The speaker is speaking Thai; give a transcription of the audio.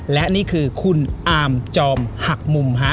และนี่คือคุณอามจอมหักมุมฮะ